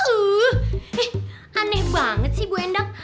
uh aneh banget sih bu endang